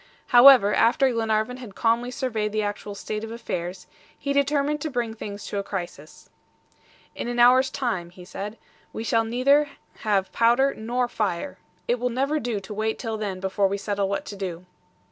However, after Glenarvan had calmly surveyed the actual state of affairs, he determined to bring things to a crisis. "In an hour's time," he said, "we shall neither have powder nor fire. It will never do to wait till then before we settle what to do."